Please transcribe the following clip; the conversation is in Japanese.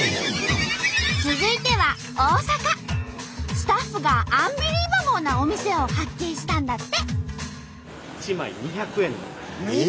スタッフが「アンビリーバボー」なお店を発見したんだって。